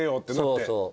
そうそう。